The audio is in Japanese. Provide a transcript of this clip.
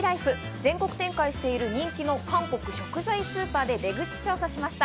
全国展開している人気の韓国食材スーパーで出口調査しました。